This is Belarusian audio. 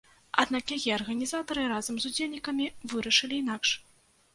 Аднак яе арганізатары, разам з удзельнікамі вырашылі інакш.